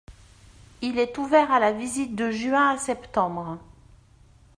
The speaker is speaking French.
Il est ouvert à la visite de juin à septembre.